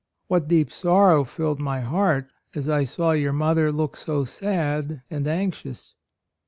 What deep sorrow filled my heart as I saw your mother look so sad and anxious!